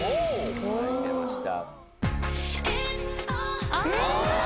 はい出ました。